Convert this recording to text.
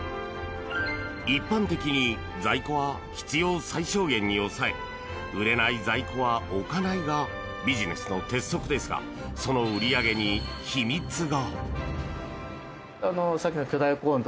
一般的に在庫は必要最小限に抑え売れない在庫は置かないがビジネスの鉄則ですがその売り上げに秘密が！